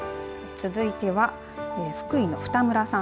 続いては福井の二村さん。